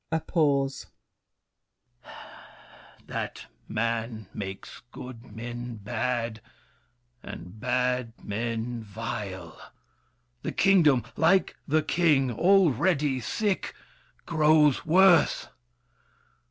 [A pause. That man makes good men bad, and bad men vile! The kingdom, like the king, already sick, Grows worse.